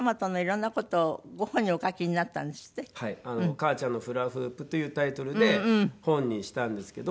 『母ちゃんのフラフープ』というタイトルで本にしたんですけど。